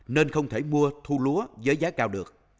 nên không thể mua thu lúa với giá cao được